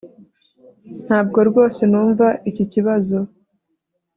ntabwo rwose numva iki kibazo